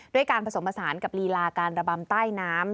ด้วยการผสมผสานกับลีลาการระบำใต้น้ำ